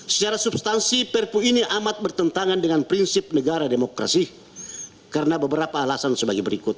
secara substansi perpu ini amat bertentangan dengan prinsip negara demokrasi karena beberapa alasan sebagai berikut